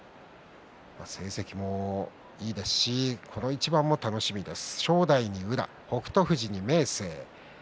成績もいいですしこの一番も楽しみです。